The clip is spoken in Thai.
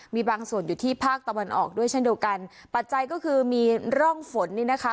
มีบางส่วนอยู่ที่ภาคตะวันออกด้วยเช่นเดียวกันปัจจัยก็คือมีร่องฝนนี่นะคะ